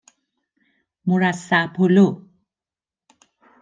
مرصع پلو